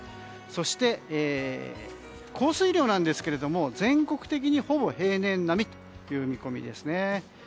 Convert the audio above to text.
そして、降水量なんですけれども全国的にほぼ平年並みという見込みですね。